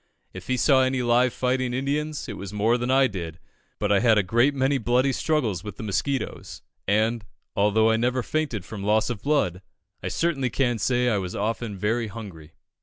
If he saw any live fighting Indians, it was more than I did; but I had a great many bloody struggles with the mosquitoes, and, although I never fainted from loss of blood, I certainly can say I was often very hungry."